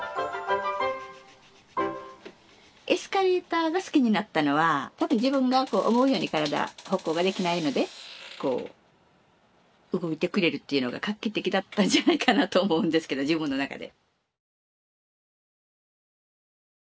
エスカレーターが好きになったのは多分自分がこう思うように体歩行ができないのでこう動いてくれるっていうのが画期的だったんじゃないかなと思うんですけど自分の中で。